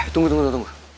tunggu tunggu tunggu